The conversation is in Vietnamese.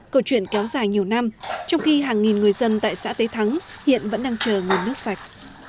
câu chuyện kéo dài nhiều năm trong khi hàng nghìn người dân tại xã tế thắng hiện vẫn đang chờ nguồn nước sạch